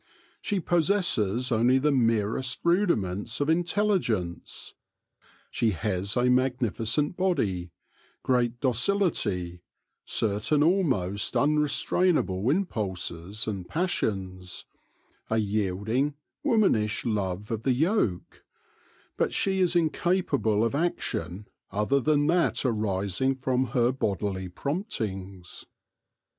She possesses only the merest rudiments of intelli gence. She has a magnificent body, great docility, certain almost unrestrainable impulses and passions, a yielding, womanish love of the yoke ; but she is incapable of action other than that arising from her bodily promptings.